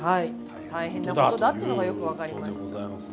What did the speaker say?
大変なことだっていうのがよく分かります。